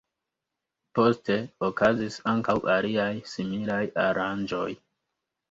Poste okazis ankaŭ aliaj similaj aranĝoj.